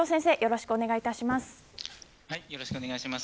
よろしくお願いします。